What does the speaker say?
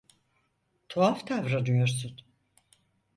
Tuhaf davranıyorsun.